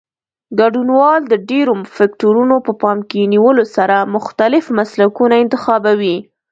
ګډونوال د ډېرو فکټورونو په پام کې نیولو سره مختلف مسلکونه انتخابوي.